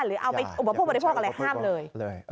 หรือเอาไปอุปโภคบริโภคอะไรห้ามเลย